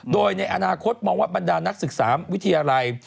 โดยในอนาคตมองว่าบรรดานักศึกษาวิทยาลัย